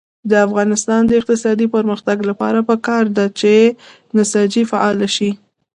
د افغانستان د اقتصادي پرمختګ لپاره پکار ده چې نساجي فعاله شي.